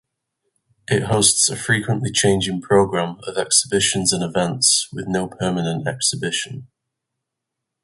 It hosts a frequently changing programme of exhibitions and events, with no permanent exhibition.